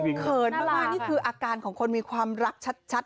เขินมากนี่คืออาการของคนมีความรักชัด